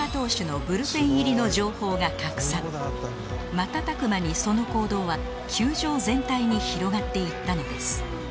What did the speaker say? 瞬く間にその行動は球場全体に広がっていったのです